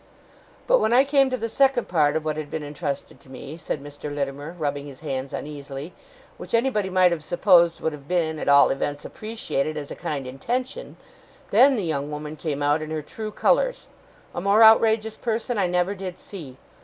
'But when I came to the second part of what had been entrusted to me,' said Mr. Littimer, rubbing his hands uneasily, 'which anybody might have supposed would have been, at all events, appreciated as a kind intention, then the young woman came out in her true colours. A more outrageous person I never did see.